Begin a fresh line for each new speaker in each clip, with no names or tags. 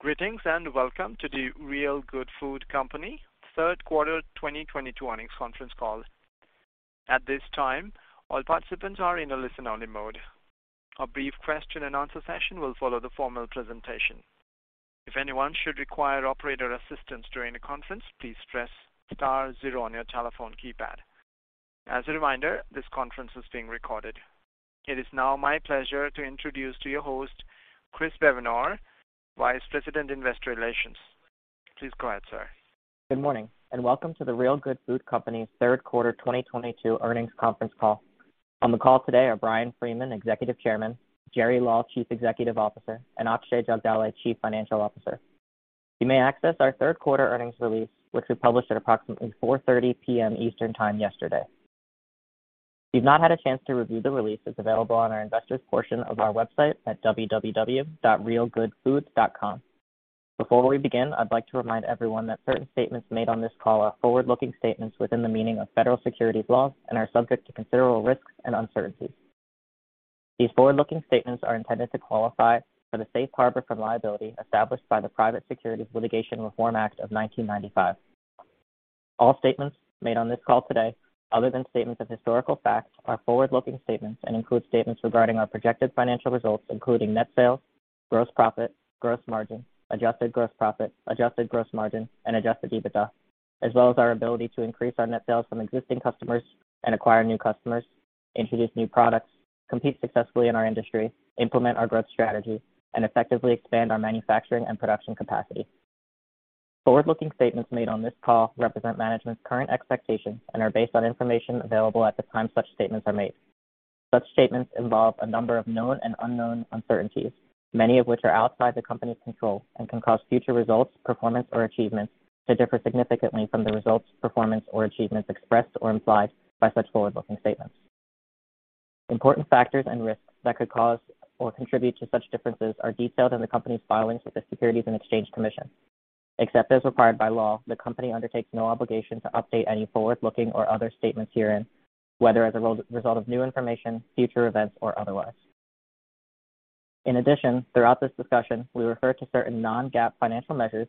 Greetings, and welcome to the Real Good Foods Company third quarter 2022 earnings conference call. At this time, all participants are in a listen-only mode. A brief question-and-answer session will follow the formal presentation. If anyone should require operator assistance during the conference, please press star zero on your telephone keypad. As a reminder, this conference is being recorded. It is now my pleasure to introduce your host, Chris Bevenour, Vice President, Investor Relations. Please go ahead, sir.
Good morning, and welcome to the Real Good Foods Company third quarter 2022 earnings conference call. On the call today are Bryan Freeman, Executive Chairman, Jerry Law, Chief Executive Officer, and Akshay Jagdale, Chief Financial Officer. You may access our third quarter earnings release, which we published at approximately 4:30 P.M. Eastern Time yesterday. If you've not had a chance to review the release, it's available on our Investors portion of our website at www.realgoodfoods.com. Before we begin, I'd like to remind everyone that certain statements made on this call are forward-looking statements within the meaning of federal securities laws and are subject to considerable risks and uncertainties. These forward-looking statements are intended to qualify for the Safe Harbor from liability established by the Private Securities Litigation Reform Act of 1995. All statements made on this call today, other than statements of historical facts, are forward-looking statements and include statements regarding our projected financial results, including net sales, gross profit, gross margin, adjusted gross profit, adjusted gross margin, and adjusted EBITDA, as well as our ability to increase our net sales from existing customers and acquire new customers, introduce new products, compete successfully in our industry, implement our growth strategy, and effectively expand our manufacturing and production capacity. Forward-looking statements made on this call represent management's current expectations and are based on information available at the time such statements are made. Such statements involve a number of known and unknown uncertainties, many of which are outside the company's control and can cause future results, performance, or achievements to differ significantly from the results, performance, or achievements expressed or implied by such forward-looking statements. Important factors and risks that could cause or contribute to such differences are detailed in the company's filings with the Securities and Exchange Commission. Except as required by law, the company undertakes no obligation to update any forward-looking or other statements herein, whether as a result of new information, future events, or otherwise. In addition, throughout this discussion, we refer to certain non-GAAP financial measures,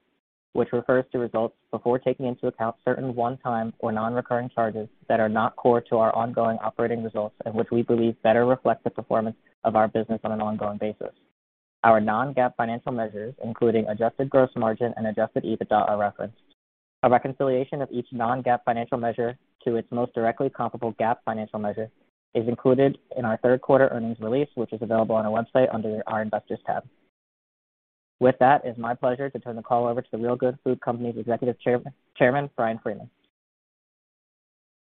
which refers to results before taking into account certain one-time or non-recurring charges that are not core to our ongoing operating results and which we believe better reflect the performance of our business on an ongoing basis. Our non-GAAP financial measures, including adjusted gross margin and adjusted EBITDA, are referenced. A reconciliation of each non-GAAP financial measure to its most directly comparable GAAP financial measure is included in our third quarter earnings release, which is available on our website under our Investors tab. With that, it's my pleasure to turn the call over to The Real Good Food Company's Executive Chairman, Bryan Freeman.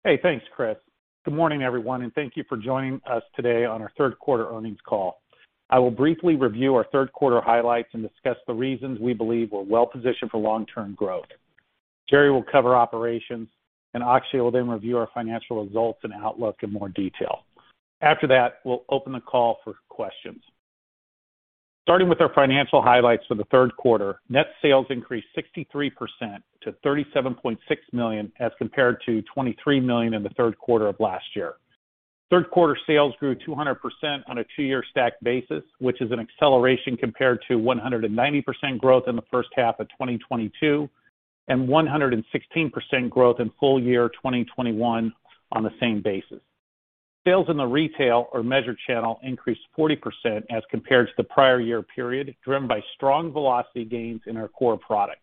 Hey, thanks, Chris. Good morning, everyone, and thank you for joining us today on our third quarter earnings call. I will briefly review our third quarter highlights and discuss the reasons we believe we're well-positioned for long-term growth. Jerry will cover operations, and Akshay will then review our financial results and outlook in more detail. After that, we'll open the call for questions. Starting with our financial highlights for the third quarter, net sales increased 63% to $37.6 million as compared to $23 million in the third quarter of last year. Third quarter sales grew 200% on a two-year stacked basis, which is an acceleration compared to 190% growth in the first half of 2022 and 116% growth in full year 2021 on the same basis. Sales in the retail or measured channel increased 40% as compared to the prior year period, driven by strong velocity gains in our core products.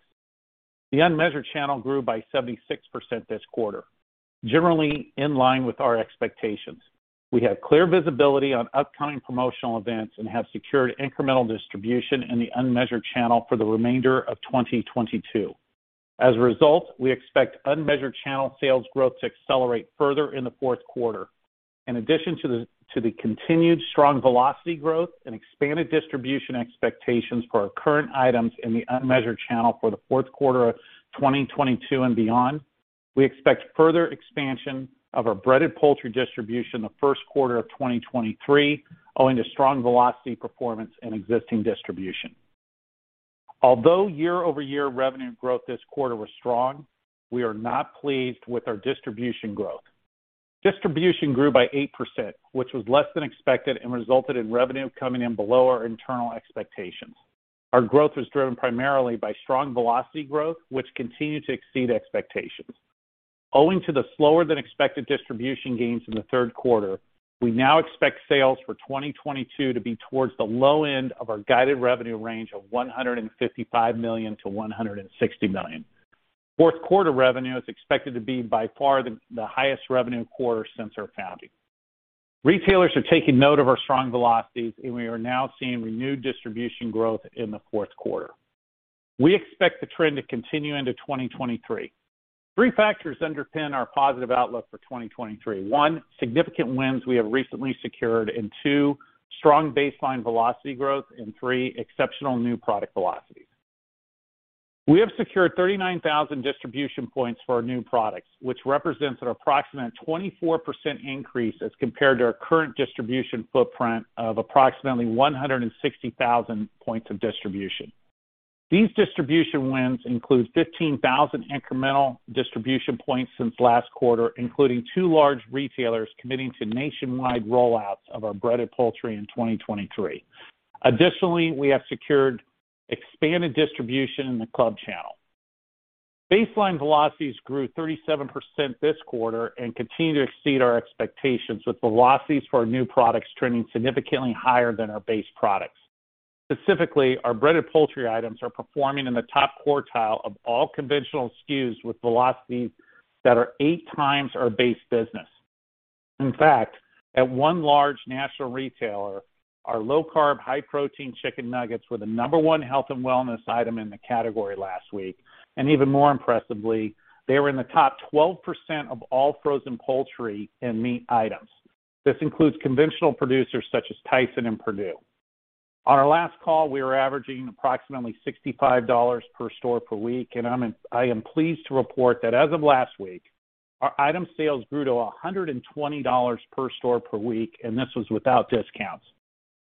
The unmeasured channel grew by 76% this quarter, generally in line with our expectations. We have clear visibility on upcoming promotional events and have secured incremental distribution in the unmeasured channel for the remainder of 2022. As a result, we expect unmeasured channel sales growth to accelerate further in the fourth quarter. In addition to the continued strong velocity growth and expanded distribution expectations for our current items in the unmeasured channel for the fourth quarter of 2022 and beyond, we expect further expansion of our breaded poultry distribution the first quarter of 2023, owing to strong velocity performance and existing distribution. Although year-over-year revenue growth this quarter was strong, we are not pleased with our distribution growth. Distribution grew by 8%, which was less than expected and resulted in revenue coming in below our internal expectations. Our growth was driven primarily by strong velocity growth, which continued to exceed expectations. Owing to the slower-than-expected distribution gains in the third quarter, we now expect sales for 2022 to be towards the low end of our guided revenue range of $155 million-$160 million. Fourth quarter revenue is expected to be by far the highest revenue quarter since our founding. Retailers are taking note of our strong velocities, and we are now seeing renewed distribution growth in the fourth quarter. We expect the trend to continue into 2023. Three factors underpin our positive outlook for 2023. One, significant wins we have recently secured, and two, strong baseline velocity growth, and three, exceptional new product velocities. We have secured 39,000 distribution points for our new products, which represents an approximate 24% increase as compared to our current distribution footprint of approximately 160,000 points of distribution. These distribution wins include 15,000 incremental distribution points since last quarter, including two large retailers committing to nationwide rollouts of our breaded poultry in 2023. Additionally, we have secured expanded distribution in the club channel. Baseline velocities grew 37% this quarter and continue to exceed our expectations, with velocities for our new products trending significantly higher than our base products. Specifically, our breaded poultry items are performing in the top quartile of all conventional SKUs, with velocities that are 8x our base business. In fact, at one large national retailer, our low-carb, high-protein chicken nuggets were the number one health and wellness item in the category last week, and even more impressively, they were in the top 12% of all frozen poultry and meat items. This includes conventional producers such as Tyson and Perdue. On our last call, we were averaging approximately $65 per store per week, and I am pleased to report that as of last week, our item sales grew to $120 per store per week, and this was without discounts.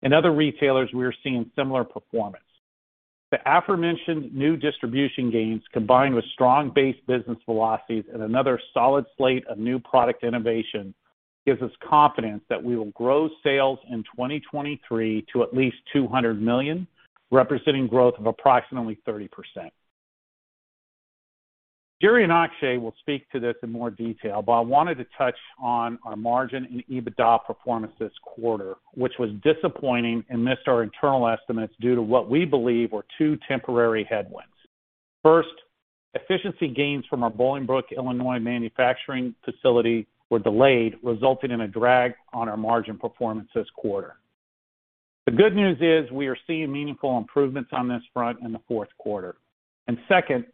In other retailers, we are seeing similar performance. The aforementioned new distribution gains, combined with strong base business velocities and another solid slate of new product innovation, gives us confidence that we will grow sales in 2023 to at least $200 million, representing growth of approximately 30%. Jerry and Akshay will speak to this in more detail, but I wanted to touch on our margin and EBITDA performance this quarter, which was disappointing and missed our internal estimates due to what we believe were two temporary headwinds. First, efficiency gains from our Bolingbrook, Illinois, manufacturing facility were delayed, resulting in a drag on our margin performance this quarter. The good news is we are seeing meaningful improvements on this front in the fourth quarter. Second,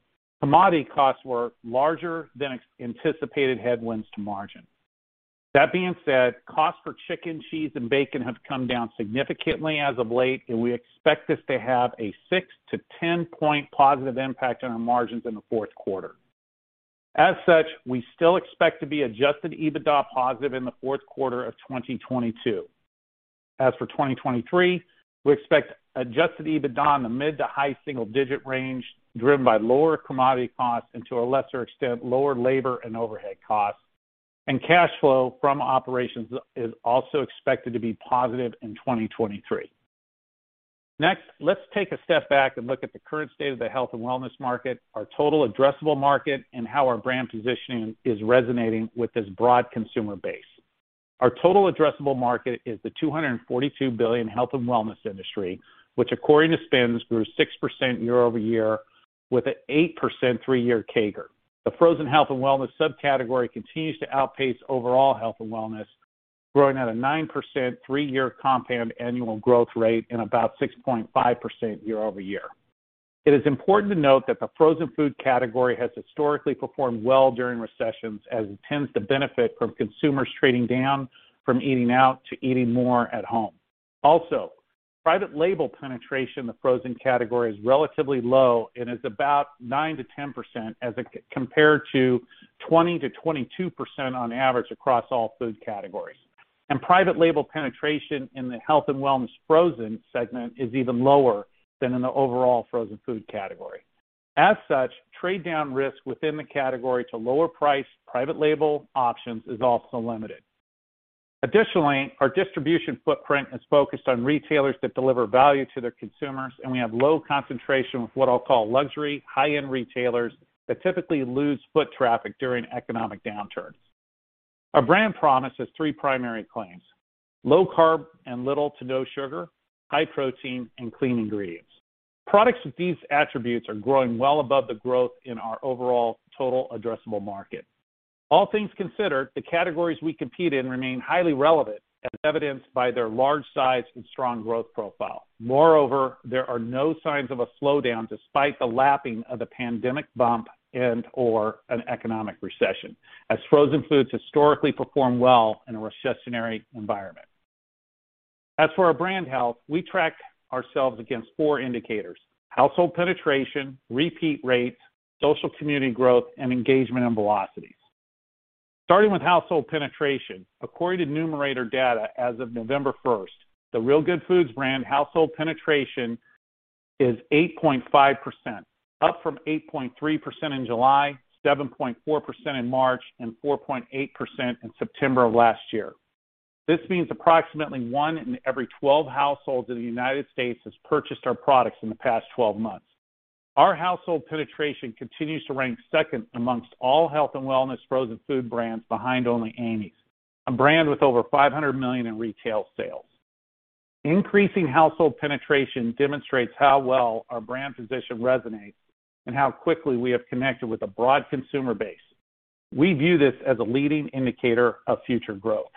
commodity costs were larger than anticipated headwinds to margin. That being said, costs for chicken, cheese, and bacon have come down significantly as of late, and we expect this to have a 6- to 10-point positive impact on our margins in the fourth quarter. As such, we still expect to be adjusted EBITDA positive in the fourth quarter of 2022. As for 2023, we expect adjusted EBITDA in the mid- to high-single-digit range, driven by lower commodity costs and to a lesser extent, lower labor and overhead costs. Cash flow from operations is also expected to be positive in 2023. Next, let's take a step back and look at the current state of the health and wellness market, our total addressable market, and how our brand positioning is resonating with this broad consumer base. Our total addressable market is the $242 billion health and wellness industry, which according to SPINS, grew 6% year-over-year with an 8% three-year CAGR. The frozen health and wellness subcategory continues to outpace overall health and wellness, growing at a 9% three-year compound annual growth rate and about 6.5% year-over-year. It is important to note that the frozen food category has historically performed well during recessions, as it tends to benefit from consumers trading down from eating out to eating more at home. Also, private label penetration in the frozen category is relatively low and is about 9%-10% as it compared to 20%-22% on average across all food categories. Private label penetration in the health and wellness frozen segment is even lower than in the overall frozen food category. As such, trade down risk within the category to lower priced private label options is also limited. Additionally, our distribution footprint is focused on retailers that deliver value to their consumers, and we have low concentration with what I'll call luxury high-end retailers that typically lose foot traffic during economic downturns. Our brand promise has three primary claims, low carb and little to no sugar, high protein, and clean ingredients. Products with these attributes are growing well above the growth in our overall total addressable market. All things considered, the categories we compete in remain highly relevant, as evidenced by their large size and strong growth profile. Moreover, there are no signs of a slowdown despite the lapping of the pandemic bump and/or an economic recession, as frozen foods historically perform well in a recessionary environment. As for our brand health, we track ourselves against four indicators, household penetration, repeat rates, social community growth, and engagement and velocities. Starting with household penetration, according to Numerator data as of November 1st, the Real Good Foods brand household penetration is 8.5%, up from 8.3% in July, 7.4% in March, and 4.8% in September of last year. This means approximately one in every 12 households in the United States has purchased our products in the past 12 months. Our household penetration continues to rank second amongst all health and wellness frozen food brands behind only Amy's, a brand with over $500 million in retail sales. Increasing household penetration demonstrates how well our brand position resonates and how quickly we have connected with a broad consumer base. We view this as a leading indicator of future growth.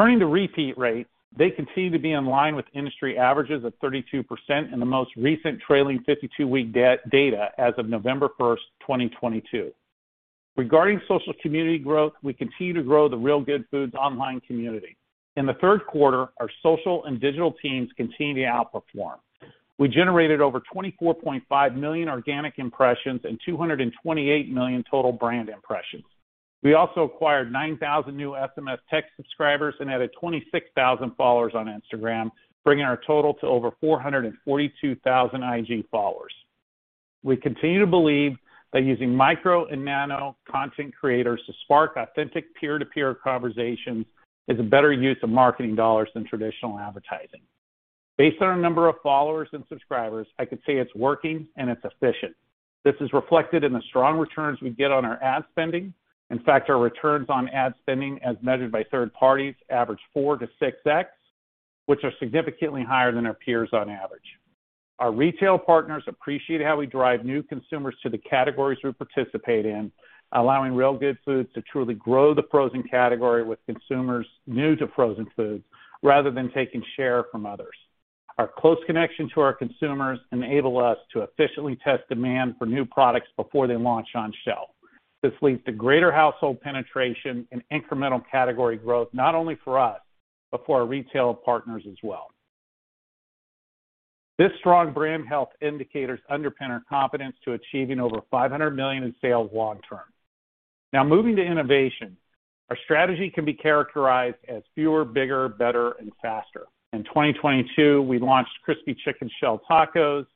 Turning to repeat rates, they continue to be in line with industry averages of 32% in the most recent trailing 52-week data as of November 1st, 2022. Regarding social community growth, we continue to grow the Real Good Foods online community. In the third quarter, our social and digital teams continue to outperform. We generated over 24.5 million organic impressions and 228 million total brand impressions. We also acquired 9,000 new SMS text subscribers and added 26,000 followers on Instagram, bringing our total to over 442,000 IG followers. We continue to believe that using micro and nano content creators to spark authentic peer-to-peer conversations is a better use of marketing dollars than traditional advertising. Based on our number of followers and subscribers, I could say it's working and it's efficient. This is reflected in the strong returns we get on our ad spending. In fact, our returns on ad spending as measured by third parties average 4x-6x, which are significantly higher than our peers on average. Our retail partners appreciate how we drive new consumers to the categories we participate in, allowing Real Good Foods to truly grow the frozen category with consumers new to frozen foods rather than taking share from others. Our close connection to our consumers enable us to efficiently test demand for new products before they launch on shelf. This leads to greater household penetration and incremental category growth, not only for us, but for our retail partners as well. This strong brand health indicators underpin our confidence to achieving over $500 million in sales long term. Now, moving to innovation. Our strategy can be characterized as fewer, bigger, better, and faster. In 2022, we launched Crispy Chicken Shell Tacos,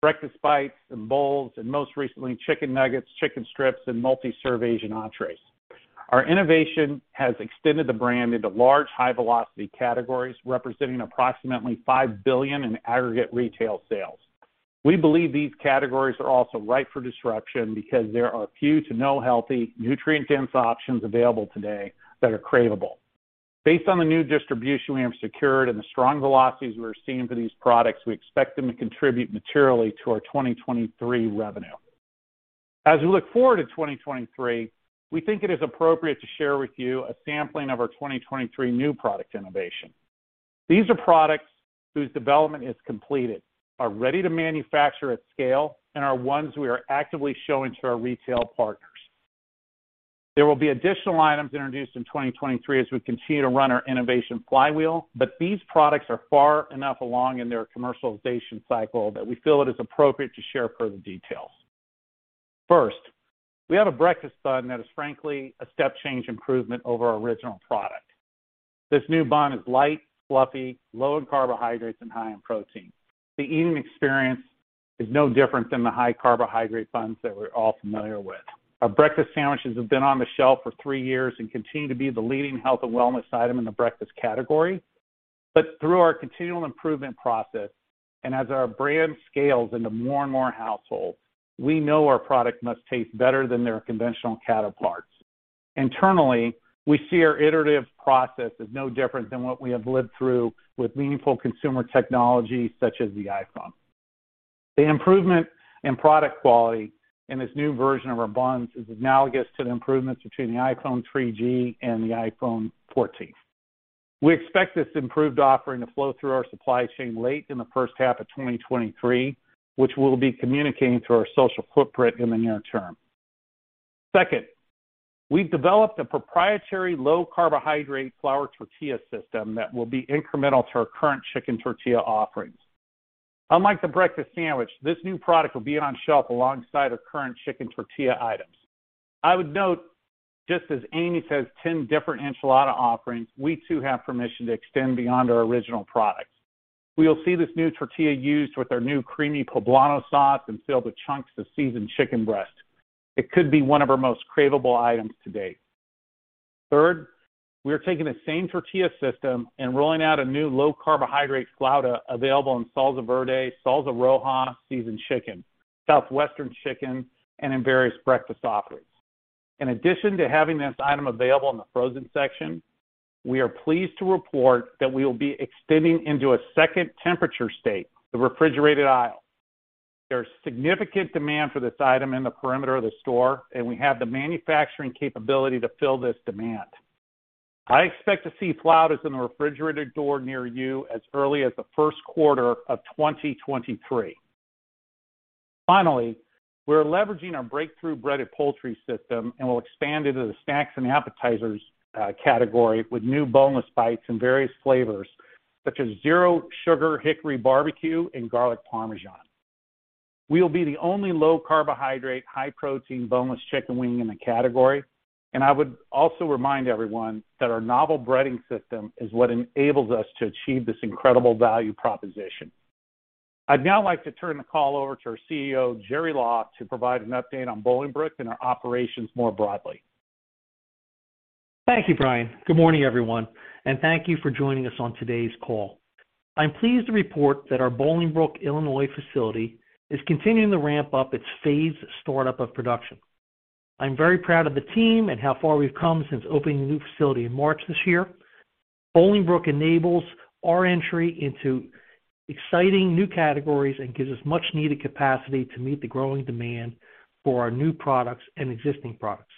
Breakfast Bites and Bowls, and most recently, Chicken Nuggets, Chicken Strips, and multi-serve Asian entrees. Our innovation has extended the brand into large, high-velocity categories, representing approximately $5 billion in aggregate retail sales. We believe these categories are also ripe for disruption because there are few to no healthy, nutrient-dense options available today that are craveable. Based on the new distribution we have secured and the strong velocities we're seeing for these products, we expect them to contribute materially to our 2023 revenue. As we look forward to 2023, we think it is appropriate to share with you a sampling of our 2023 new product innovation. These are products whose development is completed, are ready to manufacture at scale, and are ones we are actively showing to our retail partners. There will be additional items introduced in 2023 as we continue to run our innovation flywheel, but these products are far enough along in their commercialization cycle that we feel it is appropriate to share further details. First, we have a Breakfast Bun that is frankly a step change improvement over our original product. This new bun is light, fluffy, low in carbohydrates and high in protein. The eating experience is no different than the high carbohydrate buns that we're all familiar with. Our Breakfast Sandwiches have been on the shelf for three years and continue to be the leading health and wellness item in the breakfast category. Through our continual improvement process and as our brand scales into more and more households, we know our product must taste better than their conventional counterparts. Internally, we see our iterative process as no different than what we have lived through with meaningful consumer technology such as the iPhone. The improvement in product quality in this new version of our buns is analogous to the improvements between the iPhone 3G and the iPhone 14. We expect this improved offering to flow through our supply chain late in the first half of 2023, which we'll be communicating through our social footprint in the near term. Second, we've developed a proprietary low carbohydrate flour tortilla system that will be incremental to our current Chicken Tortilla offerings. Unlike the Breakfast Sandwich, this new product will be on shelf alongside our current Chicken Tortilla items. I would note, just as Amy's has 10 different enchilada offerings, we too have permission to extend beyond our original product. We will see this new tortilla used with our new Creamy Poblano Sauce and filled with chunks of seasoned chicken breast. It could be one of our most craveable items to date. Third, we are taking the same tortilla system and rolling out a new low carbohydrate Flauta available in Salsa Verde, Salsa Roja, seasoned chicken, southwestern chicken, and in various breakfast offerings. In addition to having this item available in the frozen section, we are pleased to report that we will be extending into a second temperature state, the refrigerated aisle. There's significant demand for this item in the perimeter of the store, and we have the manufacturing capability to fill this demand. I expect to see Flautas in the refrigerated door near you as early as the first quarter of 2023. Finally, we're leveraging our breakthrough breaded poultry system and will expand into the snacks and appetizers category with new boneless bites in various flavors such as zero sugar hickory barbecue and garlic parmesan. We will be the only low-carbohydrate, high-protein boneless chicken wing in the category. I would also remind everyone that our novel breading system is what enables us to achieve this incredible value proposition. I'd now like to turn the call over to our CEO, Jerry Law, to provide an update on Bolingbrook and our operations more broadly.
Thank you, Bryan. Good morning, everyone, and thank you for joining us on today's call. I'm pleased to report that our Bolingbrook, Illinois, facility is continuing to ramp-up its phased startup of production. I'm very proud of the team and how far we've come since opening the new facility in March this year. Bolingbrook enables our entry into exciting new categories and gives us much-needed capacity to meet the growing demand for our new products and existing products.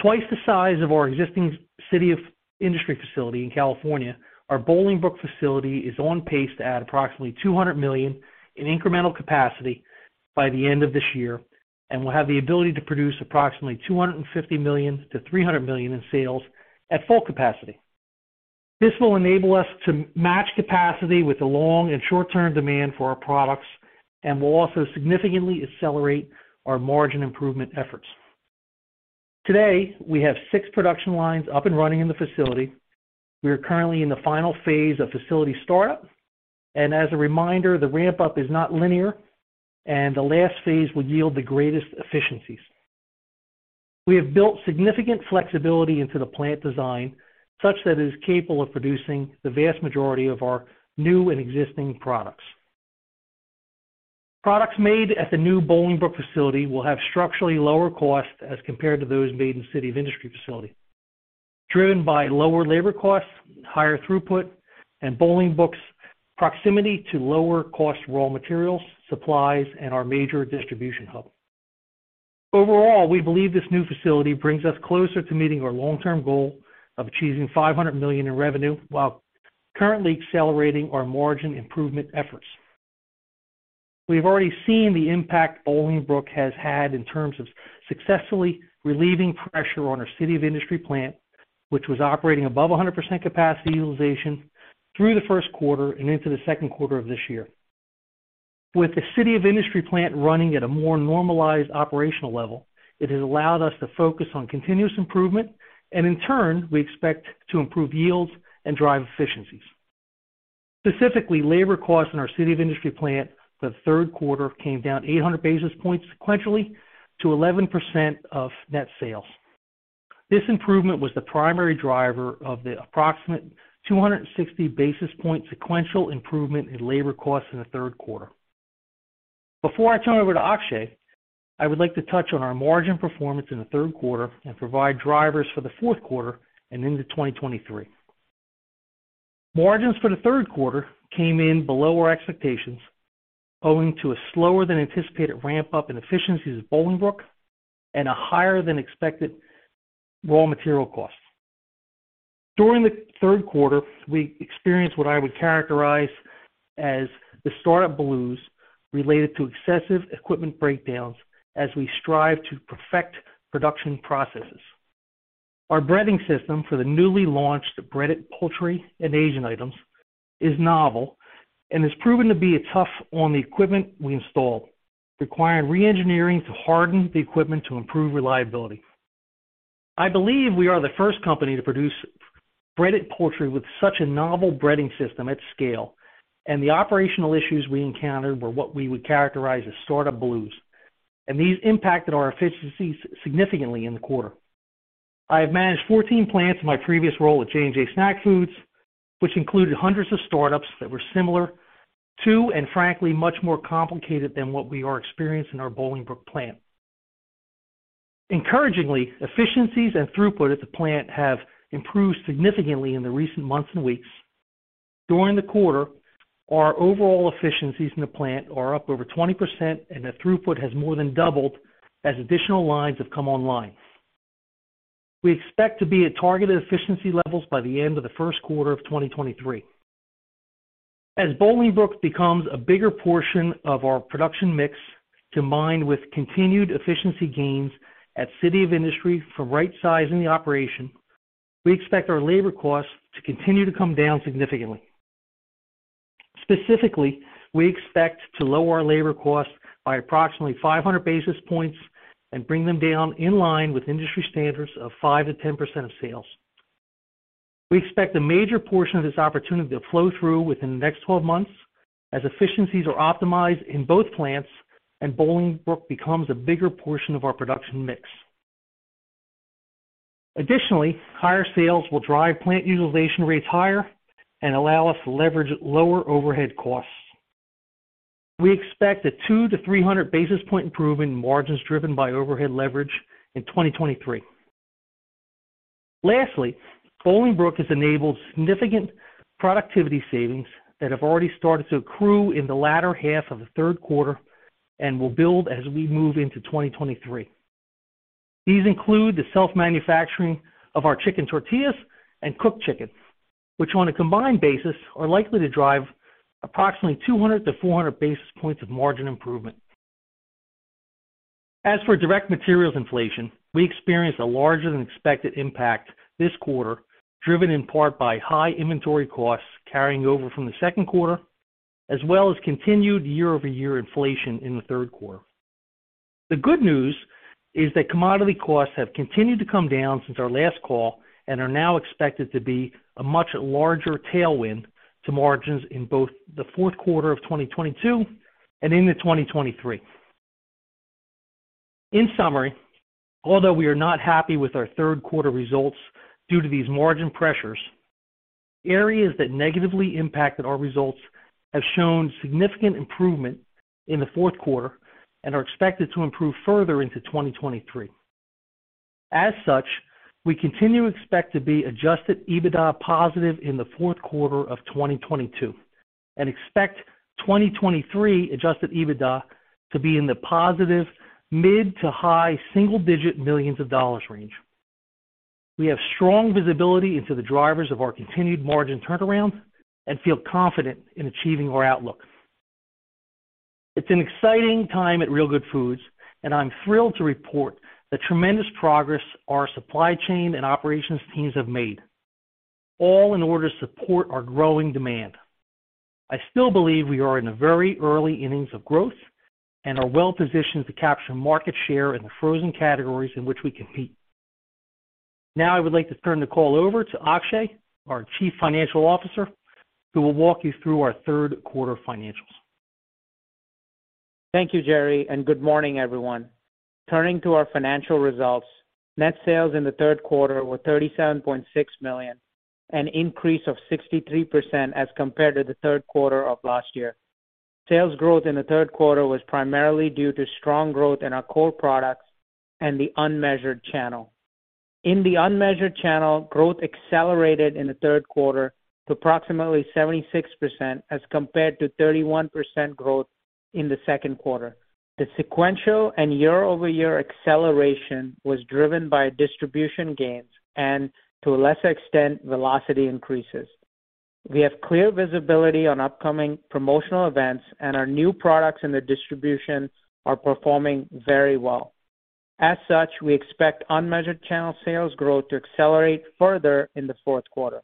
Twice the size of our existing City of Industry facility in California, our Bolingbrook facility is on pace to add approximately $200 million in incremental capacity by the end of this year, and we'll have the ability to produce approximately $250 million-$300 million in sales at full capacity. This will enable us to match capacity with the long- and short-term demand for our products and will also significantly accelerate our margin improvement efforts. Today, we have six production lines up and running in the facility. We are currently in the final phase of facility startup. As a reminder, the ramp-up is not linear, and the last phase will yield the greatest efficiencies. We have built significant flexibility into the plant design such that it is capable of producing the vast majority of our new and existing products. Products made at the new Bolingbrook facility will have structurally lower cost as compared to those made in City of Industry facility, driven by lower labor costs, higher throughput, and Bolingbrook's proximity to lower cost raw materials, supplies, and our major distribution hub. Overall, we believe this new facility brings us closer to meeting our long-term goal of achieving $500 million in revenue while currently accelerating our margin improvement efforts. We've already seen the impact Bolingbrook has had in terms of successfully relieving pressure on our City of Industry plant, which was operating above 100% capacity utilization through the first quarter and into the second quarter of this year. With the City of Industry plant running at a more normalized operational level, it has allowed us to focus on continuous improvement, and in turn, we expect to improve yields and drive efficiencies. Specifically, labor costs in our City of Industry plant for the third quarter came down 800 basis points sequentially to 11% of net sales. This improvement was the primary driver of the approximate 260 basis points sequential improvement in labor costs in the third quarter. Before I turn over to Akshay, I would like to touch on our margin performance in the third quarter and provide drivers for the fourth quarter and into 2023. Margins for the third quarter came in below our expectations, owing to a slower-than-anticipated ramp-up in efficiencies at Bolingbrook and a higher-than-expected raw material costs. During the third quarter, we experienced what I would characterize as the startup blues related to excessive equipment breakdowns as we strive to perfect production processes. Our breading system for the newly launched breaded poultry and Asian items is novel and has proven to be tough on the equipment we installed, requiring re-engineering to harden the equipment to improve reliability. I believe we are the first company to produce breaded poultry with such a novel breading system at scale, and the operational issues we encountered were what we would characterize as startup blues, and these impacted our efficiencies significantly in the quarter. I have managed 14 plants in my previous role at J&J Snack Foods, which included hundreds of startups that were similar to, and frankly, much more complicated than what we are experiencing in our Bolingbrook plant. Encouragingly, efficiencies and throughput at the plant have improved significantly in the recent months and weeks. During the quarter, our overall efficiencies in the plant are up over 20%, and the throughput has more than doubled as additional lines have come online. We expect to be at targeted efficiency levels by the end of the first quarter of 2023. As Bolingbrook becomes a bigger portion of our production mix, combined with continued efficiency gains at City of Industry from right-sizing the operation, we expect our labor costs to continue to come down significantly. Specifically, we expect to lower our labor costs by approximately 500 basis points and bring them down in line with industry standards of 5%-10% of sales. We expect a major portion of this opportunity to flow through within the next 12 months as efficiencies are optimized in both plants and Bolingbrook becomes a bigger portion of our production mix. Additionally, higher sales will drive plant utilization rates higher and allow us to leverage lower overhead costs. We expect a 200-300 basis point improvement in margins driven by overhead leverage in 2023. Lastly, Bolingbrook has enabled significant productivity savings that have already started to accrue in the latter half of the third quarter and will build as we move into 2023. These include the self-manufacturing of our chicken tortillas and cooked chicken, which on a combined basis, are likely to drive approximately 200-400 basis points of margin improvement. As for direct materials inflation, we experienced a larger-than-expected impact this quarter, driven in part by high inventory costs carrying over from the second quarter, as well as continued year-over-year inflation in the third quarter. The good news is that commodity costs have continued to come down since our last call and are now expected to be a much larger tailwind to margins in both the fourth quarter of 2022 and into 2023. In summary, although we are not happy with our third quarter results due to these margin pressures, areas that negatively impacted our results have shown significant improvement in the fourth quarter and are expected to improve further into 2023. As such, we continue to expect to be adjusted EBITDA positive in the fourth quarter of 2022 and expect 2023 adjusted EBITDA to be in the positive mid- to high single-digit millions-of-dollars-range. We have strong visibility into the drivers of our continued margin turnarounds and feel confident in achieving our outlook. It's an exciting time at Real Good Foods, and I'm thrilled to report the tremendous progress our supply chain and operations teams have made, all in order to support our growing demand. I still believe we are in the very early innings of growth and are well positioned to capture market share in the frozen categories in which we compete. Now I would like to turn the call over to Akshay, our Chief Financial Officer, who will walk you through our third quarter financials.
Thank you, Jerry, and good morning, everyone. Turning to our financial results. Net sales in the third quarter were $37.6 million, an increase of 63% as compared to the third quarter of last year. Sales growth in the third quarter was primarily due to strong growth in our core products and the unmeasured channel. In the unmeasured channel, growth accelerated in the third quarter to approximately 76% as compared to 31% growth in the second quarter. The sequential and year-over-year acceleration was driven by distribution gains and, to a lesser extent, velocity increases. We have clear visibility on upcoming promotional events, and our new products in the distribution are performing very well. As such, we expect unmeasured channel sales growth to accelerate further in the fourth quarter.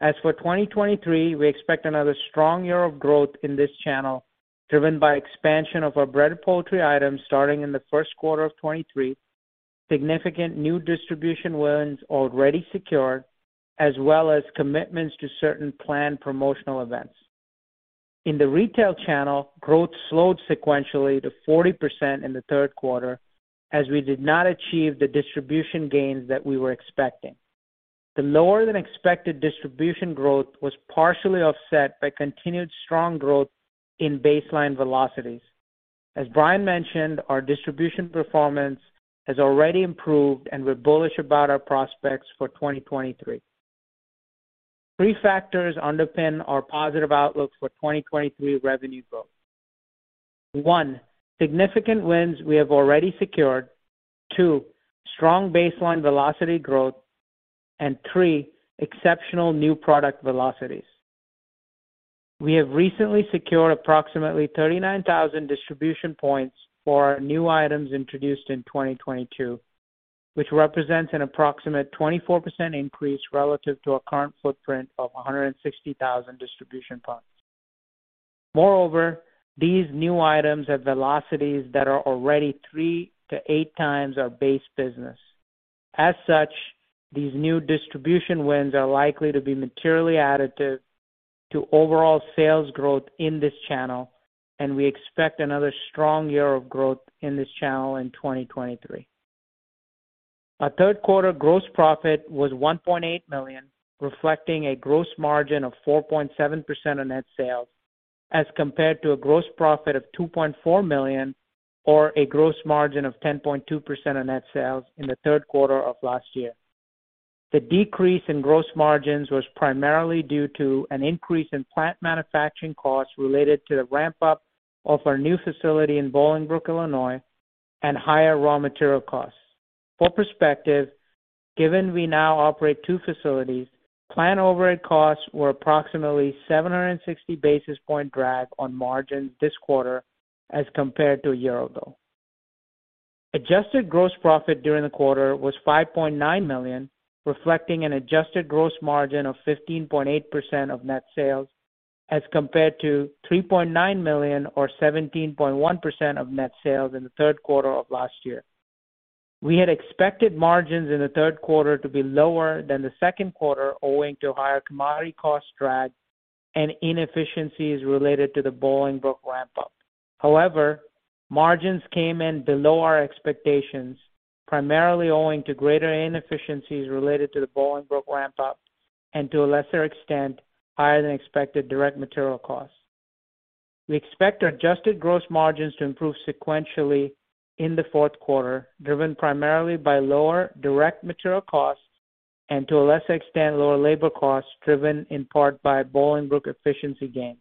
As for 2023, we expect another strong year of growth in this channel, driven by expansion of our breaded poultry items starting in the first quarter of 2023, significant new distribution wins already secured, as well as commitments to certain planned promotional events. In the retail channel, growth slowed sequentially to 40% in the third quarter as we did not achieve the distribution gains that we were expecting. The lower-than-expected distribution growth was partially offset by continued strong growth in baseline velocities. As Bryan mentioned, our distribution performance has already improved and we're bullish about our prospects for 2023. Three factors underpin our positive outlook for 2023 revenue growth. One, significant wins we have already secured, two, strong baseline velocity growth, and three, exceptional new product velocities. We have recently secured approximately 39,000 distribution points for new items introduced in 2022, which represents an approximate 24% increase relative to our current footprint of 160,000 distribution points. Moreover, these new items have velocities that are already 3x-8x our base business. As such, these new distribution wins are likely to be materially additive to overall sales growth in this channel, and we expect another strong year of growth in this channel in 2023. Our third quarter gross profit was $1.8 million, reflecting a gross margin of 4.7% of net sales, as compared to a gross profit of $2.4 million, or a gross margin of 10.2% of net sales in the third quarter of last year. The decrease in gross margins was primarily due to an increase in plant manufacturing costs related to the ramp-up of our new facility in Bolingbrook, Illinois, and higher raw material costs. For perspective, given we now operate two facilities, plant overhead costs were approximately 760 basis point drag on margins this quarter as compared to a year ago. Adjusted gross profit during the quarter was $5.9 million, reflecting an adjusted gross margin of 15.8% of net sales, as compared to $3.9 million or 17.1% of net sales in the third quarter of last year. We had expected margins in the third quarter to be lower than the second quarter, owing to higher commodity cost drag and inefficiencies related to the Bolingbrook ramp-up. However, margins came in below our expectations, primarily owing to greater inefficiencies related to the Bolingbrook ramp-up and to a lesser extent, higher-than-expected direct material costs. We expect our adjusted gross margins to improve sequentially in the fourth quarter, driven primarily by lower direct material costs and to a lesser extent, lower labor costs, driven in part by Bolingbrook efficiency gains.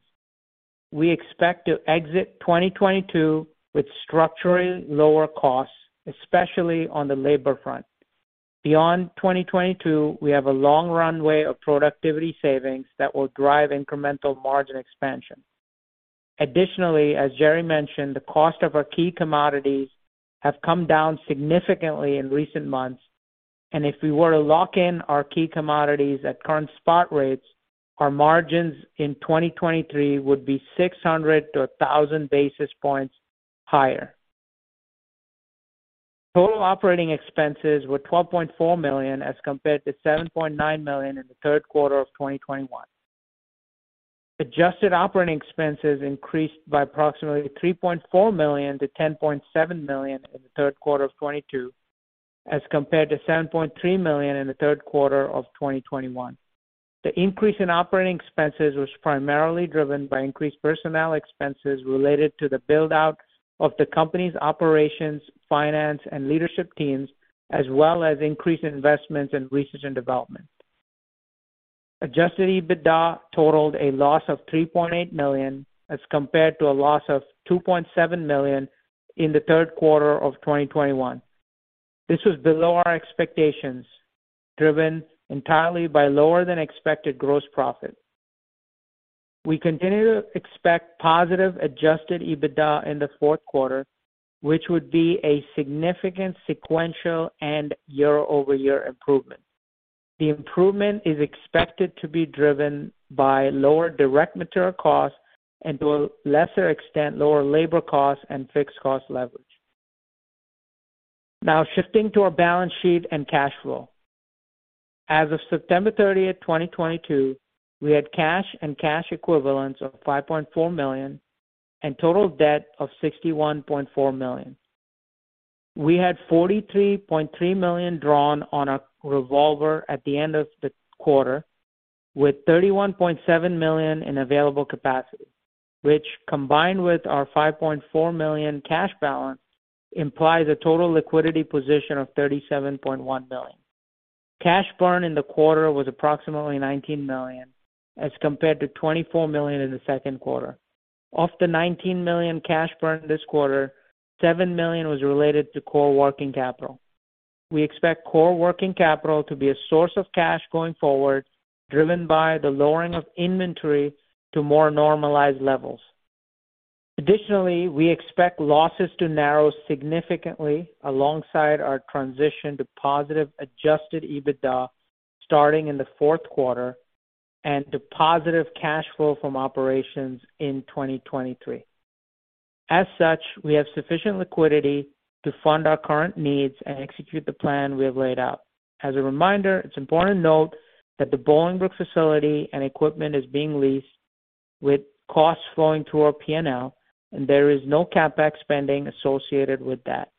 We expect to exit 2022 with structurally lower costs, especially on the labor front. Beyond 2022, we have a long runway of productivity savings that will drive incremental margin expansion. Additionally, as Jerry mentioned, the cost of our key commodities have come down significantly in recent months, and if we were to lock in our key commodities at current spot rates, our margins in 2023 would be 600-1,000 basis points higher. Total operating expenses were $12.4 million as compared to $7.9 million in the third quarter of 2021. Adjusted operating expenses increased by approximately $3.4 million to $10.7 million in the third quarter of 2022, as compared to $7.3 million in the third quarter of 2021. The increase in operating expenses was primarily driven by increased personnel expenses related to the build-out of the company's operations, finance, and leadership teams, as well as increased investments in research and development. Adjusted EBITDA totaled a loss of $3.8 million, as compared to a loss of $2.7 million in the third quarter of 2021. This was below our expectations, driven entirely by lower-than-expected gross profit. We continue to expect positive adjusted EBITDA in the fourth quarter, which would be a significant sequential and year-over-year improvement. The improvement is expected to be driven by lower direct material costs and, to a lesser extent, lower labor costs and fixed cost leverage. Now shifting to our balance sheet and cash flow. As of September 30th, 2022, we had cash and cash equivalents of $5.4 million and total debt of $61.4 million. We had $43.3 million drawn on our revolver at the end of the quarter, with $31.7 million in available capacity, which combined with our $5.4 million cash balance, implies a total liquidity position of $37.1 million. Cash burn in the quarter was approximately $19 million, as compared to $24 million in the second quarter. Of the $19 million cash burn this quarter, $7 million was related to core working capital. We expect core working capital to be a source of cash going forward, driven by the lowering of inventory to more normalized levels. Additionally, we expect losses to narrow significantly alongside our transition to positive adjusted EBITDA starting in the fourth quarter and to positive cash flow from operations in 2023. As such, we have sufficient liquidity to fund our current needs and execute the plan we have laid out. As a reminder, it's important to note that the Bolingbrook facility and equipment is being leased with costs flowing through our P&L, and there is no CapEx spending associated with that.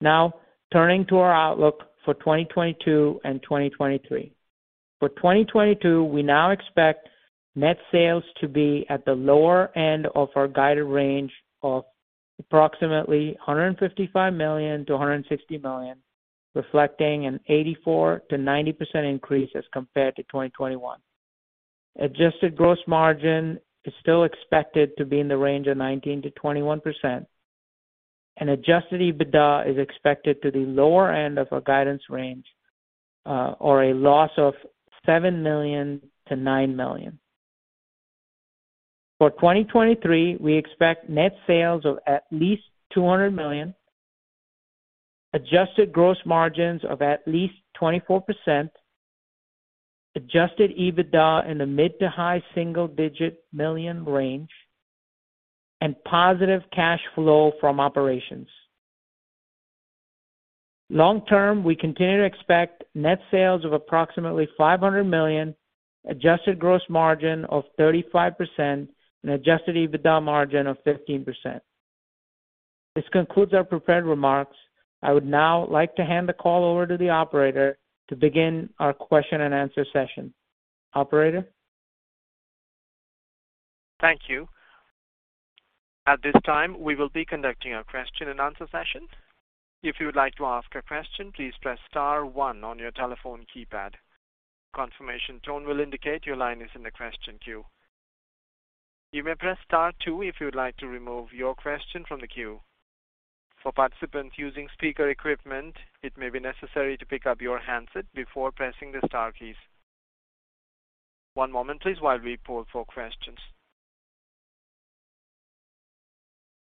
Now turning to our outlook for 2022 and 2023. For 2022, we now expect net sales to be at the lower end of our guided range of approximately $155 million-$160 million, reflecting an 84%-90% increase as compared to 2021. Adjusted gross margin is still expected to be in the range of 19%-21%, and adjusted EBITDA is expected to the lower end of our guidance range, or a loss of $7 million-$9 million. For 2023, we expect net sales of at least $200 million, adjusted gross margins of at least 24%, adjusted EBITDA in the mid to high single-digit million range, and positive cash flow from operations. Long term, we continue to expect net sales of approximately $500 million, adjusted gross margin of 35% and adjusted EBITDA margin of 15%. This concludes our prepared remarks. I would now like to hand the call over to the operator to begin our question and answer session. Operator?
Thank you. At this time, we will be conducting our question-and-answer session. If you would like to ask a question, please press star one on your telephone keypad. Confirmation tone will indicate your line is in the question queue. You may press star two if you would like to remove your question from the queue. For participants using speaker equipment, it may be necessary to pick up your handset before pressing the star keys. One moment please, while we poll for questions.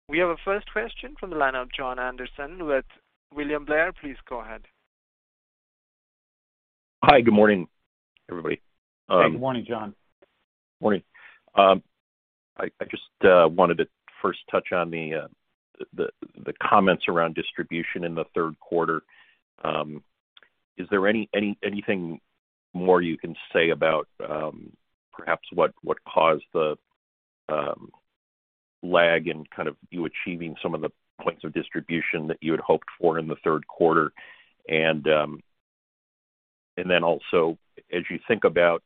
We have a first question from the line of Jon Andersen with William Blair. Please go ahead.
Hi. Good morning, everybody.
Good morning, Jon.
Morning. I just wanted to first touch on the comments around distribution in the third quarter. Is there anything more you can say about perhaps what caused the lag in kind of you achieving some of the points of distribution that you had hoped for in the third quarter? Then also as you think about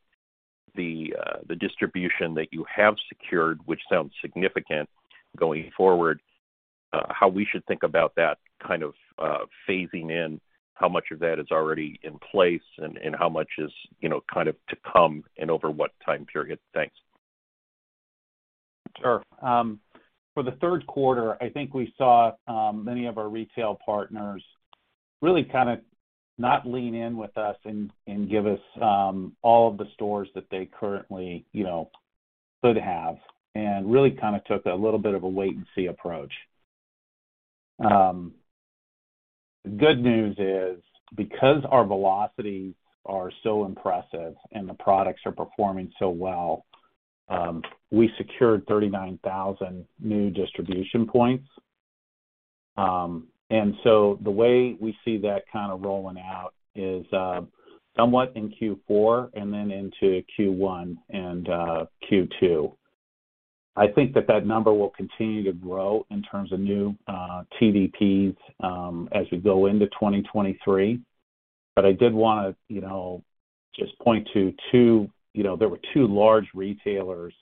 the distribution that you have secured, which sounds significant going forward, how we should think about that kind of phasing in, how much of that is already in place and how much is, you know, kind of to come and over what time period? Thanks.
Sure. For the third quarter, I think we saw many of our retail partners really kind of not lean in with us and give us all of the stores that they currently, you know, could have and really kind of took a little bit of a wait-and-see approach. Good news is, because our velocities are so impressive and the products are performing so well, we secured 39,000 new distribution points. And so the way we see that kind of rolling out is somewhat in Q4 and then into Q1 and Q2. I think that number will continue to grow in terms of new TDPs as we go into 2023. I did wanna, you know, just point to two, you know, there were two large retailers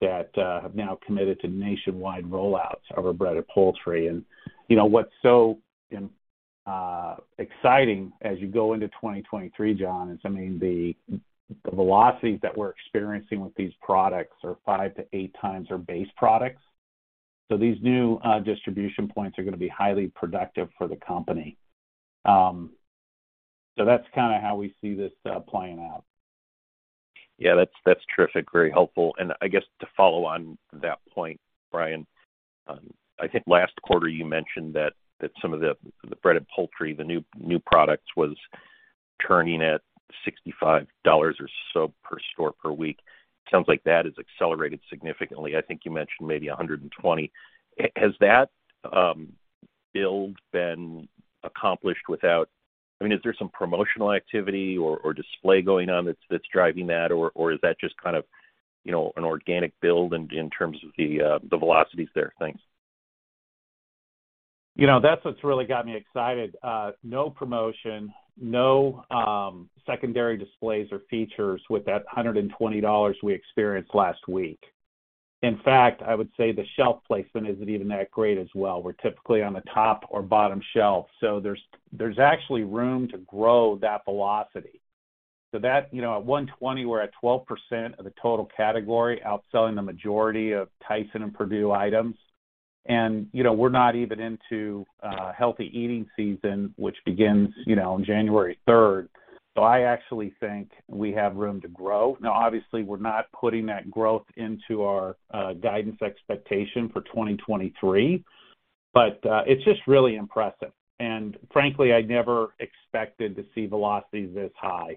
that have now committed to nationwide rollouts of our breaded poultry. You know what's so exciting as you go into 2023, Jon, is, I mean, the velocities that we're experiencing with these products are 5x-8x our base products. These new distribution points are gonna be highly productive for the company. That's kinda how we see this playing out.
Yeah, that's terrific. Very helpful. I guess to follow on that point, Bryan, I think last quarter you mentioned that some of the breaded poultry, the new products was turning at $65 or so per store per week. Sounds like that has accelerated significantly. I think you mentioned maybe $120. Has that build been accomplished without I mean, is there some promotional activity or display going on that's driving that? Or is that just kind of, you know, an organic build in terms of the velocities there? Thanks.
You know, that's what's really got me excited. No promotion, no secondary displays or features with that $120 we experienced last week. In fact, I would say the shelf placement isn't even that great as well. We're typically on the top or bottom shelf. There's actually room to grow that velocity. That, you know, at $120, we're at 12% of the total category, outselling the majority of Tyson and Perdue items. You know, we're not even into healthy eating season, which begins, you know, on January 3rd. I actually think we have room to grow. Now, obviously, we're not putting that growth into our guidance expectation for 2023, but it's just really impressive. Frankly, I never expected to see velocity this high.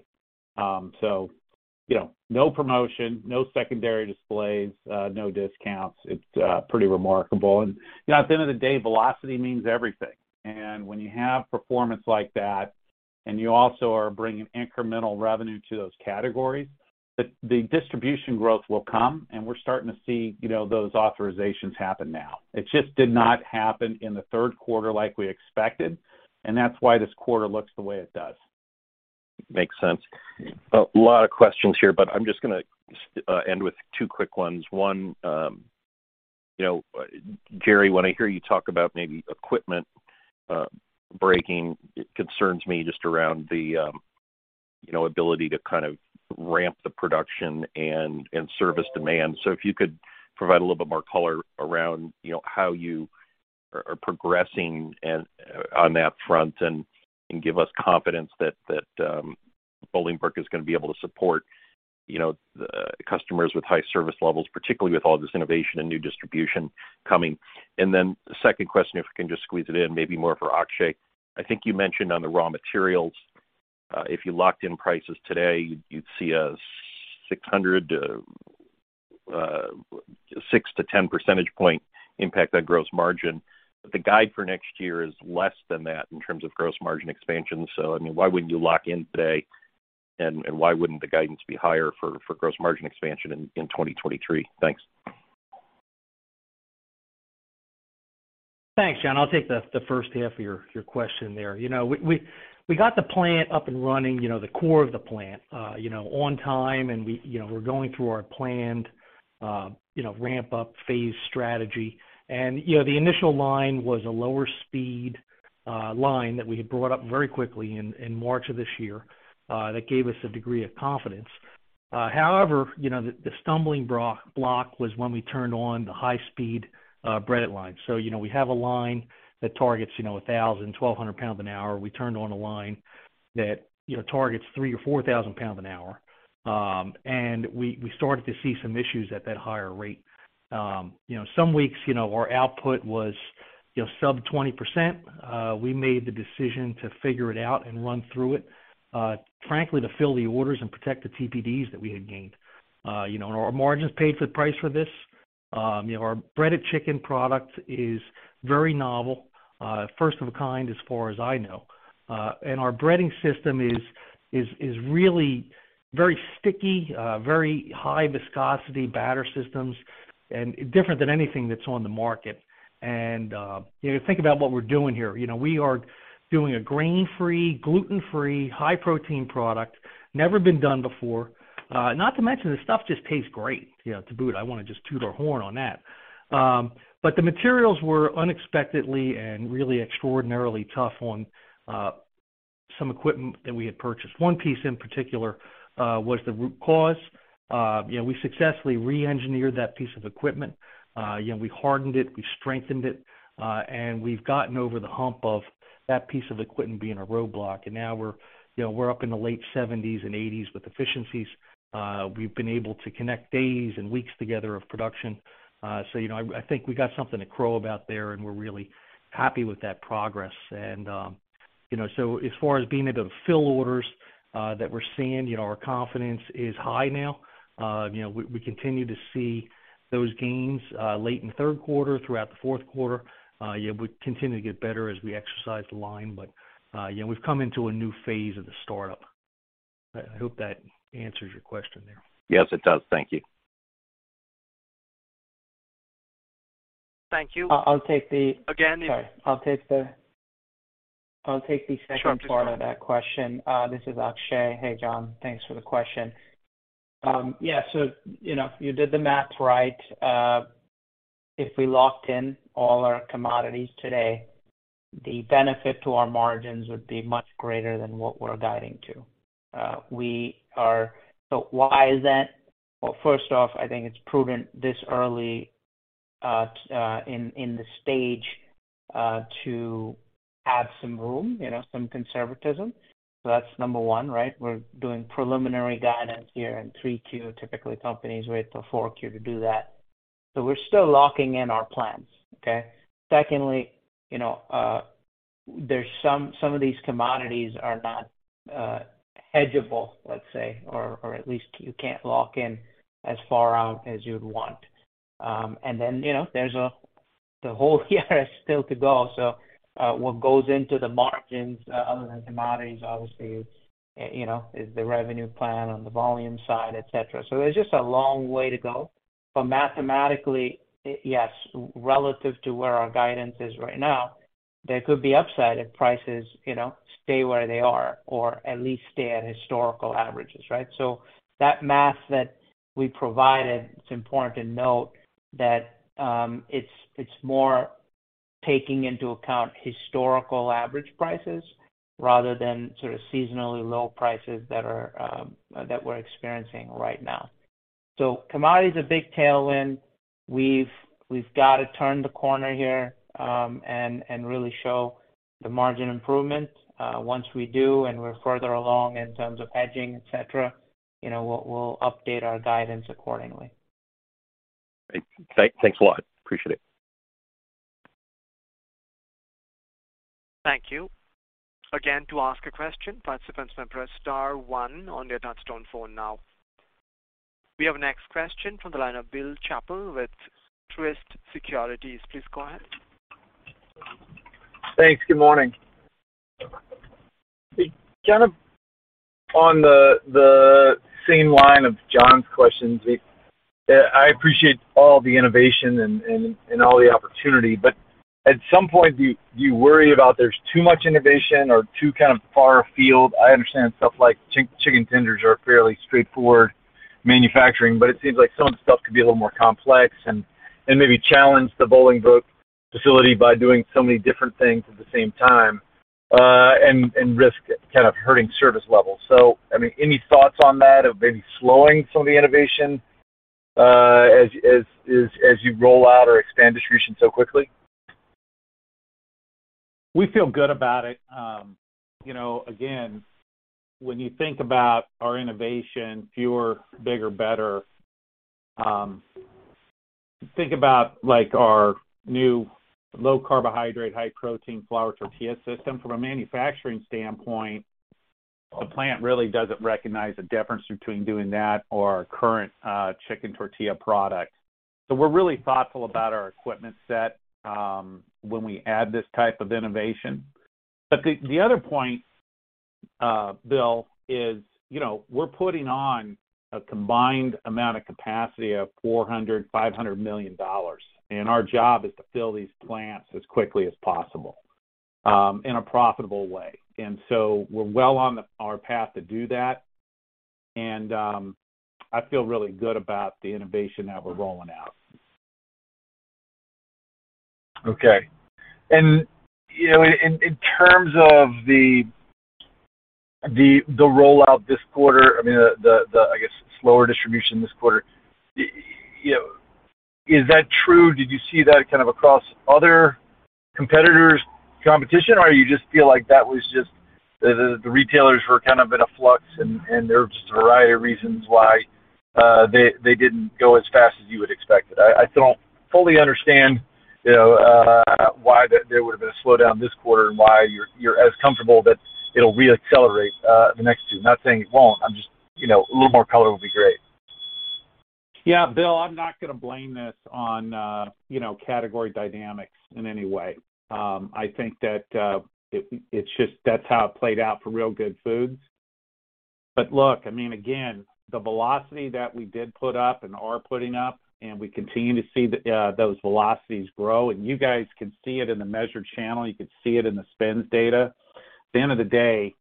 You know, no promotion, no secondary displays, no discounts. It's pretty remarkable. You know, at the end of the day, velocity means everything. When you have performance like that, and you also are bringing incremental revenue to those categories, the distribution growth will come, and we're starting to see, you know, those authorizations happen now. It just did not happen in the third quarter like we expected, and that's why this quarter looks the way it does.
Makes sense. A lot of questions here, but I'm just gonna end with two quick ones. One, you know, Jerry, when I hear you talk about maybe equipment breaking, it concerns me just around the ability to kind of ramp the production and service demand. If you could provide a little bit more color around, you know, how you are progressing and on that front and give us confidence that Bolingbrook is gonna be able to support, you know, the customers with high service levels, particularly with all this innovation and new distribution coming. The second question, if you can just squeeze it in, maybe more for Akshay. I think you mentioned on the raw materials, if you locked in prices today, you'd see a 6-10 percentage point impact on gross margin. The guide for next year is less than that in terms of gross margin expansion. I mean, why wouldn't you lock in today? Why wouldn't the guidance be higher for gross margin expansion in 2023? Thanks.
Thanks, John. I'll take the first half of your question there. You know, we got the plant up and running, you know, the core of the plant, you know, on time, and we, you know, we're going through our planned, you know, ramp-up-phase strategy. You know, the initial line was a lower speed, line that we had brought up very quickly in March of this year, that gave us a degree of confidence. However, you know, the stumbling block was when we turned on the high speed, breaded line. You know, we have a line that targets, you know, 1,000-1,200 lbs an hour. We turned on a line that, you know, targets 3,000 or 4,000 lbs an hour. We started to see some issues at that higher rate. You know, some weeks, you know, our output was, you know, sub 20%. We made the decision to figure it out and run through it, frankly, to fill the orders and protect the TDPs that we had gained. You know, our margins paid the price for this. You know, our breaded chicken product is very novel, first of a kind as far as I know. Our breading system is really very sticky, very high viscosity batter systems and different than anything that's on the market. You know, think about what we're doing here. You know, we are doing a grain-free, gluten-free, high-protein product, never been done before. Not to mention, this stuff just tastes great. You know, to boot, I wanna just toot our horn on that. The materials were unexpectedly and really extraordinarily tough on some equipment that we had purchased. One piece in particular was the root cause. You know, we successfully re-engineered that piece of equipment. You know, we hardened it, we strengthened it, and we've gotten over the hump of that piece of equipment being a roadblock. Now we're, you know, we're up in the late 70s and 80s with efficiencies. We've been able to connect days and weeks together of production. You know, I think we got something to crow about there, and we're really happy with that progress. You know, so as far as being able to fill orders that we're seeing, you know, our confidence is high now. You know, we continue to see those gains late in third quarter throughout the fourth quarter. Yeah, we continue to get better as we exercise the line, but you know, we've come into a new phase of the startup. I hope that answers your question there.
Yes, it does. Thank you.
I'll take the second part of that question. This is Akshay. Hey, Jon. Thanks for the question. Yeah. You know, if you did the math right, if we locked in all our commodities today, the benefit to our margins would be much greater than what we're guiding to. Why is that? Well, first off, I think it's prudent this early in the stage to have some room, you know, some conservatism. That's number one, right? We're doing preliminary guidance here in 3Q. Typically, companies wait till 4Q to do that. We're still locking in our plans. Okay? Secondly, you know, there's some of these commodities are not hedgeable, let's say, or at least you can't lock in as far out as you'd want. You know, there's the whole year still to go. What goes into the margins other than commodities, obviously is you know the revenue plan on the volume side, et cetera. There's just a long way to go. Mathematically, yes, relative to where our guidance is right now, there could be upside if prices, you know, stay where they are or at least stay at historical averages, right? That math that we provided, it's important to note that it's more taking into account historical average prices rather than sort of seasonally low prices that we're experiencing right now. Commodity is a big tailwind. We've got to turn the corner here and really show the margin improvement. Once we do and we're further along in terms of hedging, et cetera, you know, we'll update our guidance accordingly.
Great. Thanks a lot. Appreciate it.
Thank you. Again, to ask a question, participants may press star one on their touch-tone phone now. We have our next question from the line of Bill Chappell with Truist Securities. Please go ahead.
Thanks. Good morning. Kind of on the same line of Jon's questions. I appreciate all the innovation and all the opportunity, but at some point, do you worry about there's too much innovation or too kind of far field? I understand stuff like chicken tenders are fairly straightforward manufacturing, but it seems like some of the stuff could be a little more complex and maybe challenge the Bolingbrook facility by doing so many different things at the same time and risk kind of hurting service levels. I mean, any thoughts on that of maybe slowing some of the innovation as you roll out or expand distribution so quickly?
We feel good about it. You know, again, when you think about our innovation, fewer, bigger, better, think about like our new low-carbohydrate, high-protein flour tortilla system. From a manufacturing standpoint, the plant really doesn't recognize a difference between doing that or our current chicken tortilla product. We're really thoughtful about our equipment set when we add this type of innovation. The other point, Bill, is, you know, we're putting on a combined amount of capacity of $400 million, $500 million, and our job is to fill these plants as quickly as possible in a profitable way. We're well on our path to do that. I feel really good about the innovation that we're rolling out.
Okay. You know, in terms of the rollout this quarter, I mean, I guess, slower distribution this quarter, you know, is that true? Did you see that kind of across other competitors' competition? Or you just feel like that was just the retailers were kind of in a flux and there was just a variety of reasons why they didn't go as fast as you would expect it? I don't fully understand, you know, why there would have been a slowdown this quarter and why you're as comfortable that it'll re-accelerate the next two. Not saying it won't. I'm just, you know, a little more color would be great.
Yeah, Bill, I'm not gonna blame this on, you know, category dynamics in any way. I think that it's just that's how it played out for Real Good Foods. Look, I mean, again, the velocity that we did put up and are putting up, and we continue to see those velocities grow, and you guys can see it in the measured channel. You can see it in the SPINS data. At the end of the day,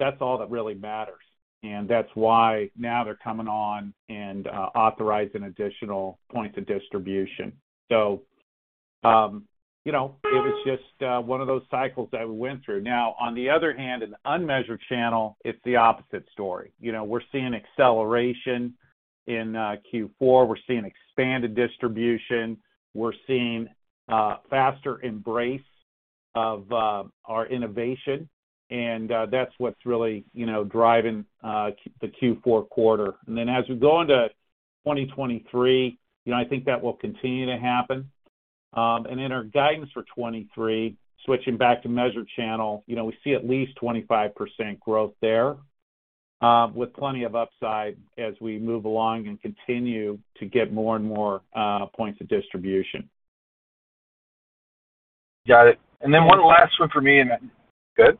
that's all that really matters. That's why now they're coming on and authorizing additional points of distribution. You know, it was just one of those cycles that we went through. Now, on the other hand, in unmeasured channel, it's the opposite story. You know, we're seeing acceleration in Q4. We're seeing expanded distribution. We're seeing faster embrace of our innovation, and that's what's really, you know, driving the Q4 quarter. Then as we go into 2023, you know, I think that will continue to happen. In our guidance for 2023, switching back to measured channel, you know, we see at least 25% growth there, with plenty of upside as we move along and continue to get more and more points of distribution.
Got it. One last one for me and then—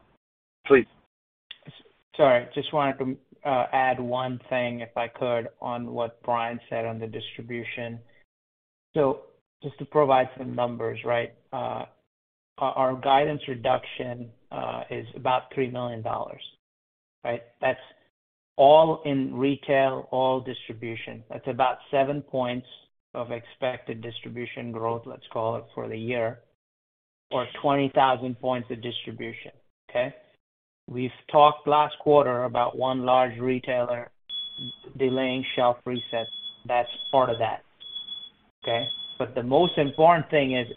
Sorry, just wanted to add one thing, if I could, on what Bryan said on the distribution. Just to provide some numbers, right? Our guidance reduction is about $3 million, right? That's all in retail, all distribution. That's about 7 points of expected distribution growth, let's call it, for the year or 20,000 points of distribution. We've talked last quarter about one large retailer delaying shelf resets. That's part of that. The most important thing is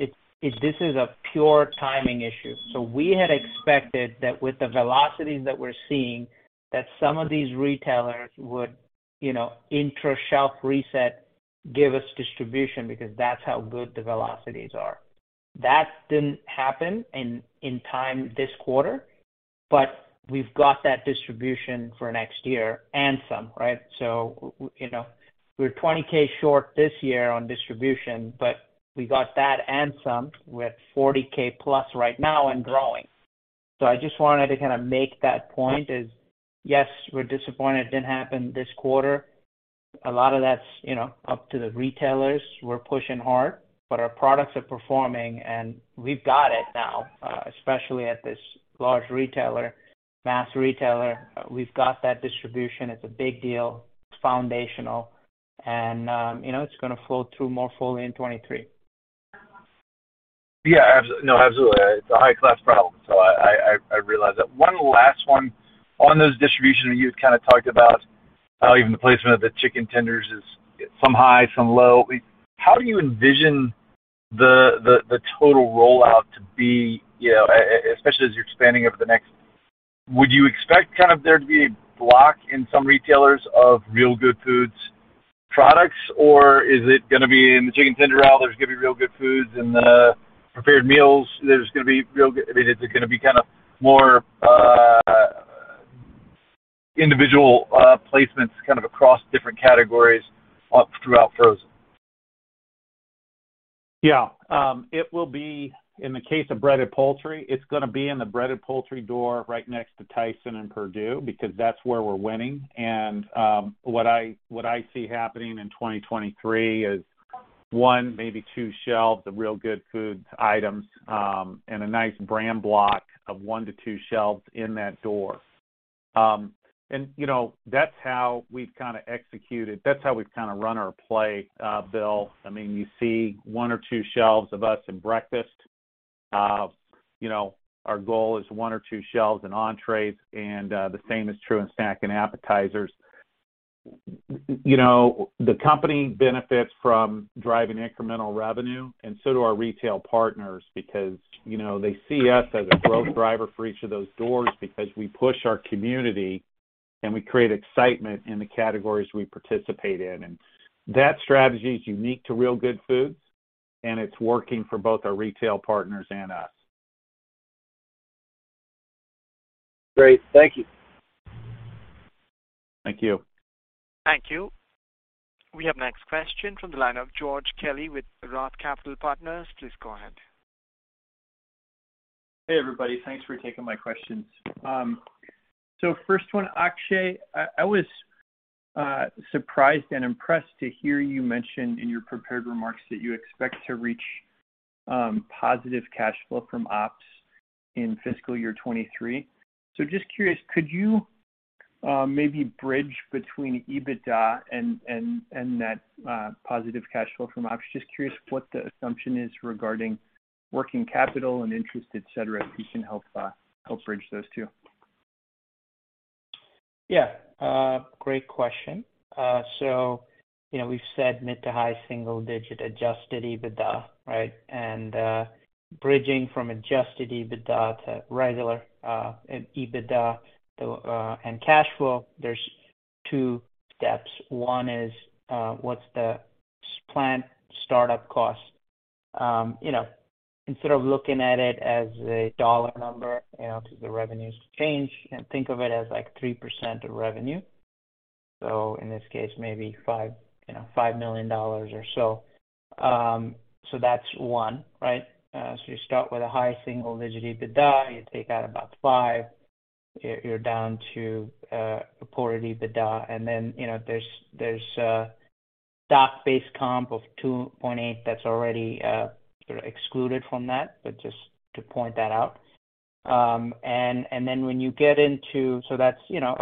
this is a pure timing issue. We had expected that with the velocities that we're seeing, that some of these retailers would, you know, intra-shelf reset, give us distribution, because that's how good the velocities are. That didn't happen in time this quarter, but we've got that distribution for next year and some, right? You know, we're 20K short this year on distribution, but we got that and some. We're at 40K+ right now and growing. I just wanted to kind of make that point is, yes, we're disappointed it didn't happen this quarter. A lot of that's, you know, up to the retailers. We're pushing hard, but our products are performing, and we've got it now, especially at this large retailer, mass retailer. We've got that distribution. It's a big deal. It's foundational. You know, it's gonna flow through more fully in 2023.
Yeah, absolutely. It's a high-class problem. I realize that. One last one. On those distribution, you kind of talked about how even the placement of the chicken tenders is some high, some low. How do you envision the total rollout to be, you know, especially as you're expanding over the next? Would you expect kind of there to be a block in some retailers of Real Good Foods products, or is it gonna be in the chicken tender aisle, there's gonna be Real Good Foods, in the prepared meals, there's gonna be Real Good? I mean, is it gonna be kind of more individual placements kind of across different categories up throughout frozen?
Yeah. It will be, in the case of breaded poultry, it's gonna be in the breaded poultry door right next to Tyson and Perdue because that's where we're winning. What I see happening in 2023 is one, maybe two shelves of Real Good Foods items, and a nice brand block of one to two shelves in that door. You know, that's how we've kinda executed. That's how we've kinda run our play, Bill. I mean, you see one or two shelves of us in breakfast. You know, our goal is one or two shelves in entrees, and the same is true in snack and appetizers. You know, the company benefits from driving incremental revenue, and so do our retail partners because, you know, they see us as a growth driver for each of those doors because we push our community, and we create excitement in the categories we participate in. That strategy is unique to Real Good Foods, and it's working for both our retail partners and us.
Great. Thank you.
Thank you.
Thank you. We have next question from the line of George Kelly with Roth Capital Partners. Please go ahead.
Hey, everybody. Thanks for taking my questions. First one, Akshay, I was surprised and impressed to hear you mention in your prepared remarks that you expect to reach positive cash flow from ops in fiscal year 2023. Just curious, could you maybe bridge between EBITDA and that positive cash flow from ops? Just curious what the assumption is regarding working capital and interest, et cetera, if you can help bridge those two.
Yeah. Great question. So, you know, we've said mid- to high-single-digit adjusted EBITDA, right? Bridging from adjusted EBITDA to regular EBITDA and cash flow, there's two steps. One is, what's the plant start-up cost? You know, instead of looking at it as a dollar number, you know, 'cause the revenues change, think of it as like 3% of revenue. So in this case, maybe $5 million or so. So that's one, right? You start with a high-single-digit EBITDA, you take out about $5 million, you're down to core EBITDA. Then, you know, there's stock-based comp of 2.8 that's already sort of excluded from that, but just to point that out. Then when you get into That's, you know,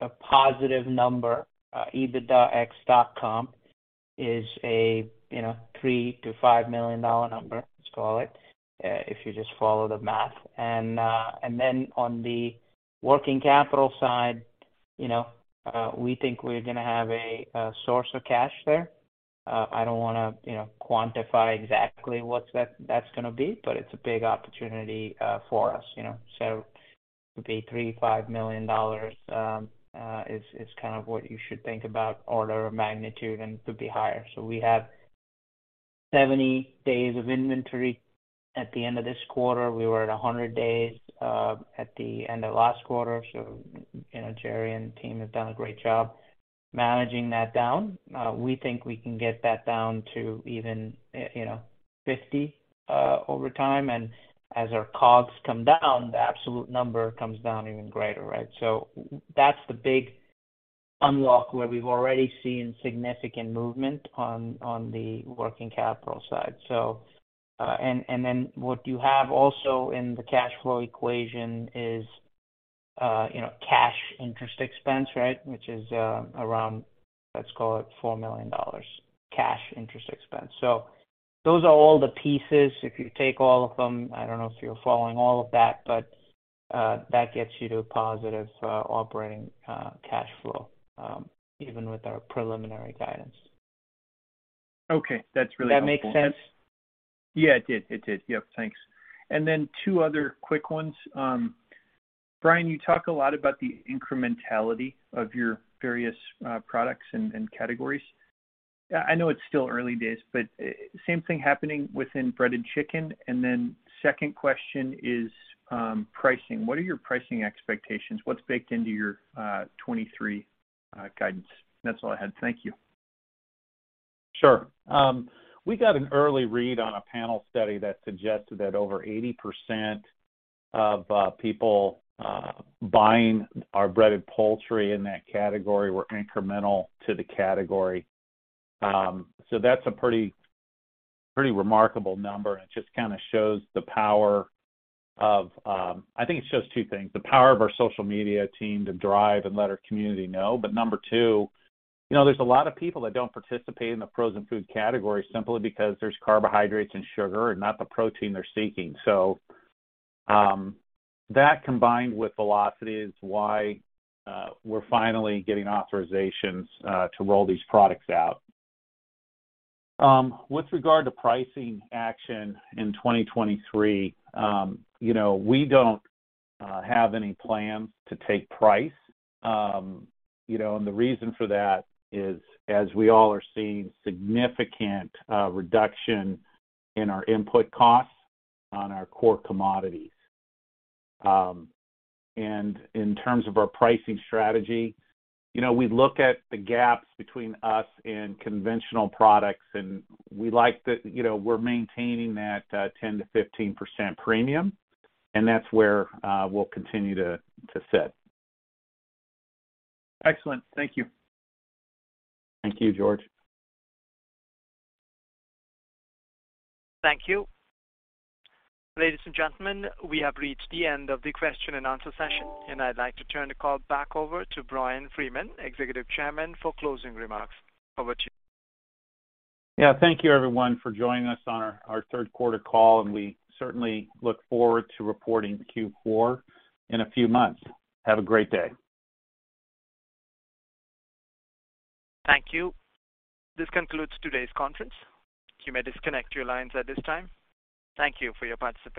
a positive number, EBITDA ex stock comp is a, you know, $3 million-$5 million number, let's call it, if you just follow the math. Then on the working capital side, you know, we think we're gonna have a source of cash there. I don't wanna, you know, quantify exactly what's that's gonna be, but it's a big opportunity, for us, you know. It could be $3 million-$5 million, is kind of what you should think about order of magnitude and could be higher. We have 70 days of inventory at the end of this quarter. We were at 100 days at the end of last quarter. You know, Jerry and team have done a great job managing that down. We think we can get that down to even, you know, 50 over time. As our COGS come down, the absolute number comes down even greater, right? That's the big unlock where we've already seen significant movement on the working capital side. And then what you have also in the cash flow equation is cash interest expense, right? Which is around, let's call it $4 million cash interest expense. Those are all the pieces. If you take all of them, I don't know if you're following all of that, but That gets you to a positive operating cash flow, even with our preliminary guidance.
Okay. That's really helpful.
That make sense?
Yeah, it did. It did. Yep, thanks. Then two other quick ones. Bryan, you talk a lot about the incrementality of your various products and categories. I know it's still early days, but same thing happening within breaded chicken. Then second question is pricing. What are your pricing expectations? What's baked into your 2023 guidance? That's all I had. Thank you.
Sure. We got an early read on a panel study that suggested that over 80% of people buying our breaded poultry in that category were incremental to the category. That's a pretty remarkable number, and it just kinda shows the power of... I think it shows two things, the power of our social media team to drive and let our community know. Number two, you know, there's a lot of people that don't participate in the frozen food category simply because there's carbohydrates and sugar and not the protein they're seeking. That combined with velocity is why we're finally getting authorizations to roll these products out. With regard to pricing action in 2023, you know, we don't have any plans to take price. You know, the reason for that is, as we all are seeing significant reduction in our input costs on our core commodities. In terms of our pricing strategy, you know, we look at the gaps between us and conventional products, and we like that, you know, we're maintaining that 10%-15% premium, and that's where we'll continue to sit.
Excellent. Thank you.
Thank you, George.
Thank you. Ladies and gentlemen, we have reached the end of the question and answer session, and I'd like to turn the call back over to Bryan Freeman, Executive Chairman, for closing remarks. Over to you.
Yeah. Thank you, everyone, for joining us on our third quarter call, and we certainly look forward to reporting Q4 in a few months. Have a great day.
Thank you. This concludes today's conference. You may disconnect your lines at this time. Thank you for your participation.